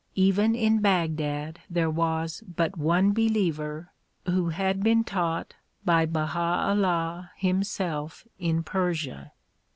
Even in Baghdad there was but one believer who had been taught by Baha 'Ullah himself in Persia.